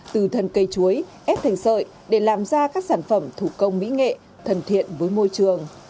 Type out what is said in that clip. từ thần cây chuối ép thành sợi để làm ra các sản phẩm thủ công mỹ nghệ thân thiện với môi trường